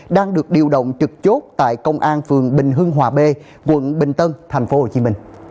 đang được điều động trực chốt tại công an phường bình hưng hòa b quận bình tân tp hcm